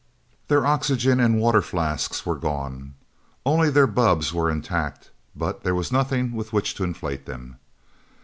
Their oxygen and water flasks were gone. Only their bubbs were intact, but there was nothing with which to inflate them.